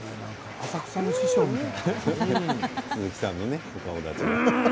浅草の師匠みたい。